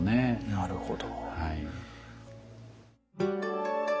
なるほど。